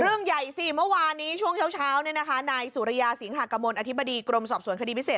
เรื่องใหญ่สิเมื่อวานนี้ช่วงเช้านายสุริยาสิงหากมลอธิบดีกรมสอบสวนคดีพิเศษ